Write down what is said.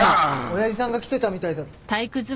親父さんが来てたみたいだ。